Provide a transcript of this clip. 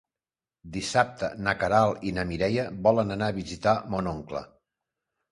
Dissabte na Queralt i na Mireia volen anar a visitar mon oncle.